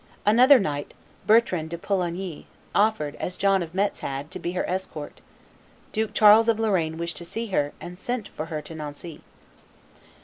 Another knight, Bertrand de Poulengy, offered, as John of Metz had, to be her escort, Duke Charles of Lorraine wished to see her, and sent for her to Nancy.